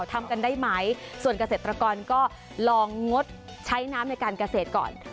ทำกันได้ไหมส่วนเกษตรกรก็ลองงดใช้น้ำในการเกษตรก่อน